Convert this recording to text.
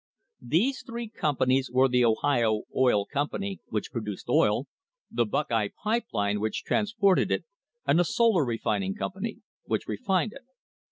These three companies were the Ohio Oil Company, which produced oil ; the Buckeye Pipe Line, which transported it; and the Solar Refining Company, which refined it.